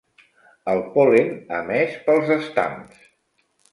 El pol·len emès pels estams.